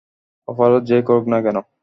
অপরাধ যেই করুক না কেন।